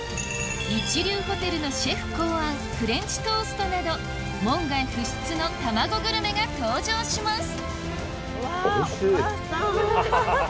一流ホテルのシェフ考案フレンチトーストなど門外不出の卵グルメが登場します